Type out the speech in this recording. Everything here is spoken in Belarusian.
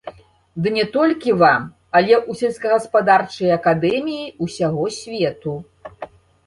Ды не толькі вам, але ў сельскагаспадарчыя акадэміі ўсяго свету.